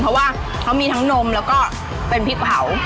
เพราะว่าเขามีทั้งนมแล้วก็เป็นพริกเผา